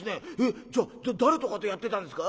じゃあ誰とかとやってたんですか？』